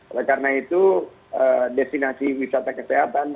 oleh karena itu destinasi wisata kesehatan